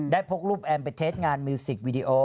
พกรูปแอมไปเทสงานมิวสิกวีดีโอ